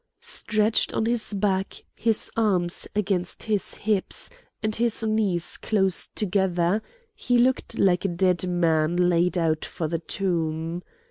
Stretched on his back, his arms against his hips, and his knees close together, he looked like a dead man laid out for the tomb.